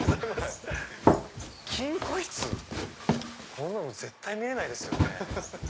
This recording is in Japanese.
こんなの絶対見れないですよね。